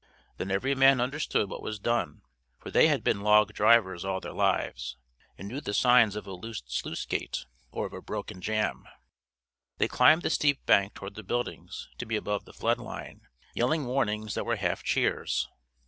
Then every man understood what was done, for they had been log drivers all their lives, and knew the signs of a loosed sluicegate or of a broken jam. They climbed the steep bank toward the buildings, to be above the flood line, yelling warnings that were half cheers.